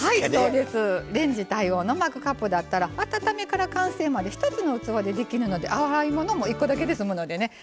レンジ対応のマグカップだったら温めから完成まで１つの器でできるので洗い物も１個だけで済むのでねいいでしょ。